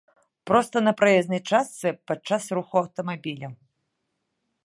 Проста на праезнай частцы, падчас руху аўтамабіляў.